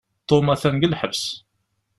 Tom atan deg lḥebs.